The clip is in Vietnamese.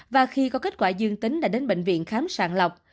và khi có kết quả dương tính đã đến bệnh viện khám sàng lọc